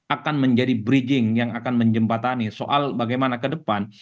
akan menjadi bridging yang akan menjembatani soal bagaimana ke depan